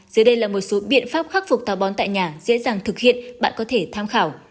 dưới đây là một số biện pháp khắc phục tàu bón tại nhà dễ dàng thực hiện bạn có thể tham khảo